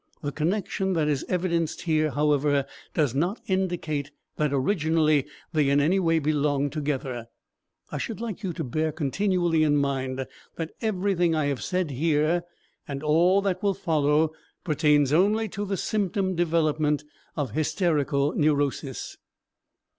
The connection that is evidenced here, however, does not indicate that originally they in any way belong together. I should like you to bear continually in mind that everything I have said here, and all that will follow, pertains only to the symptom development of hysterical neurosis.